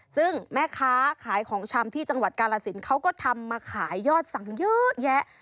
ซึ่งแม่ค้าขายของชำที่จังหวัดกาลสินเขาก็ทำมาขายยอดสั่งเยอะแยะ